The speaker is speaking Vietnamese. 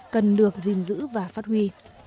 cần được gìn giữ và phát huy